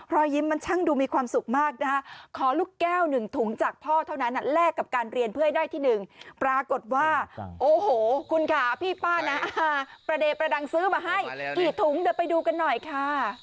รอยยิ้มมันช่างดูมีความสุขมากนะฮะขอลูกแก้วหนึ่งถุงจากพ่อเท่านั้นแลกกับการเรียนเพื่อให้ได้ที่หนึ่งปรากฏว่าโอ้โหคุณค่ะพี่ป้านะประเดประดังซื้อมาให้กี่ถุงเดี๋ยวไปดูกันหน่อยค่ะ